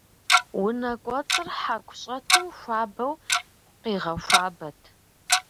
Унэкӏуэцӏыр хьэку щӏэтым хуабэу къигъэхуабэт.